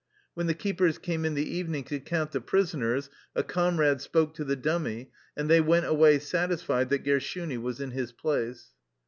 When the keepers came in the evening to count the prisoners a comrade spoke to the dummy, and they went away satisfied that Gershuni was in his place.